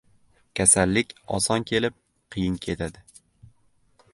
• Kasallik oson kelib, qiyin ketadi.